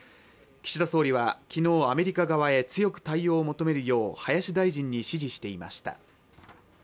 岸田総理は昨日アメリカ側へ強く対応を求めるよう林大臣に指示していました